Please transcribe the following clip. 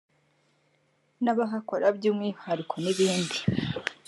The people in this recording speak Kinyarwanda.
n’abahakora by’umwihariko n’ibindi